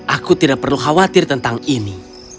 aku tidak perlu khawatir tentang ini